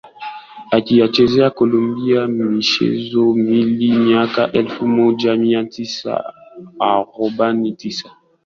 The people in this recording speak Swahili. akaichezea Colombia michezo miwili mwaka elfu moja mia tisa arobaini tisa